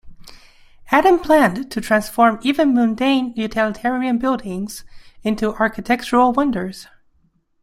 Adam planned to transform even mundane utilitarian buildings into architectural wonders.